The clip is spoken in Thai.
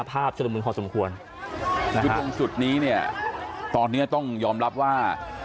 ภาพจะลุมเป็นพอสมควรนะฮะวิทยุงสุดนี้เนี่ยตอนเนี้ยต้องยอมรับว่า